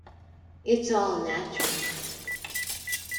It's all natural.